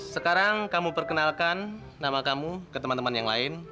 sekarang kamu perkenalkan nama kamu ke teman teman yang lain